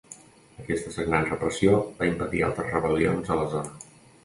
Aquesta sagnant repressió va impedir altres rebel·lions a la zona.